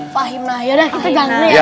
fahim lah ya udah kita jalan ya